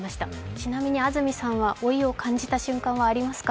ちなみに安住さんは老いを感じた瞬間はありますか？